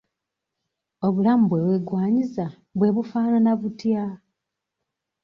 Obulamu bwe weegwaniza bwe bufaanana butya?